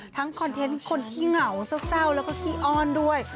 คอนเทนต์คนขี้เหงาเศร้าแล้วก็ขี้อ้อนด้วย